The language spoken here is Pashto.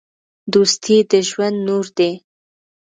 دوستي د ژوند نور دی.